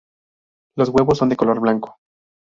Los huevos son de color blanco.